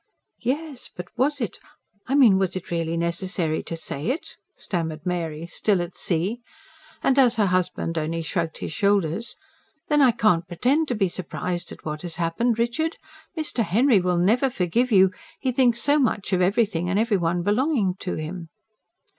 "Yes, but was it I mean... was it really necessary to say it?" stammered Mary still at sea. And as her husband only shrugged his shoulders: "Then I can't pretend to be surprised at what has happened, Richard. Mr. Henry will NEVER forgive you. He thinks so much of everything and every one belonging to him."